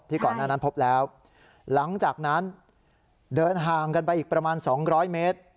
ก่อนหน้านั้นพบแล้วหลังจากนั้นเดินห่างกันไปอีกประมาณ๒๐๐เมตร